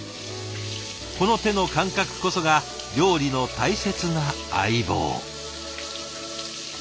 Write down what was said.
この手の感覚こそが料理の大切な相棒。